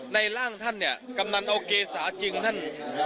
ร่างท่านเนี่ยกำนันเอาเกษาจริงท่าน